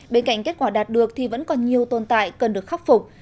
bên cạnh kết quả đạt được thì vẫn còn nhiều tồn tại cần được khắc phục